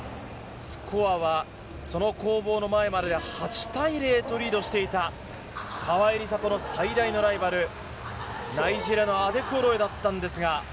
スコアはその攻防の前まで８対２とリードしていた川井梨紗子の最大のライバル、ナイジェリアのアデクオロエだったんですが。